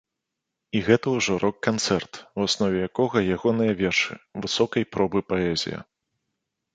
І гэта ўжо рок канцэрт, у аснове якога ягоныя вершы, высокай пробы паэзія.